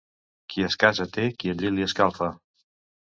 Qui es casa té qui el llit li escalfa.